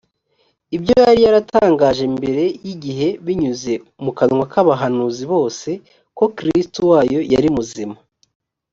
ibyo yari yaratangaje mbere y igihe binyuze mu kanwa k abahanuzi bose ko kristo wayo yari muzima